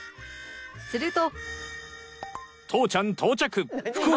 すると